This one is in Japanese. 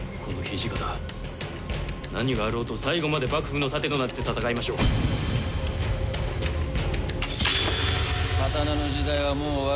この土方何があろうと最後まで幕府の盾となって戦いましょう。